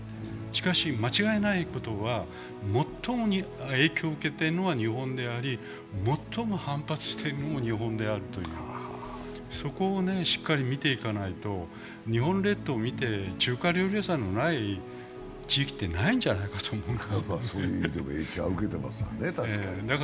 しかし、間違いないことは、最も影響を受けているのは日本であり、最も反発しているのも日本であるという、そこをしっかり見ていかないと日本列島を見て、中華料理屋さんのない地域はないんじゃないかと思います。